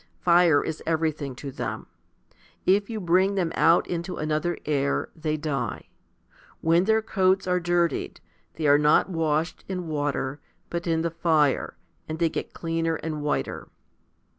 Fire is everything to them. If you bring them out into another air, they die. When their coats are dirtied, they are not washed in water, but in the fire, and they get cleaner and whiter.